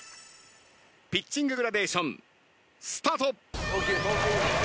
ピッチンググラデーションスタート。